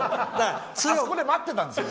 あそこで待ってたんですよ